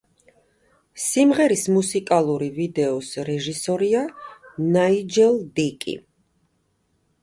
სიმღერის მუსიკალური ვიდეოს რეჟისორია ნაიჯელ დიკი.